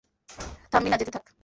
থামবি না, যেতে থাক।